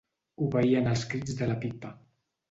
Obeïen els crits de la Pippa.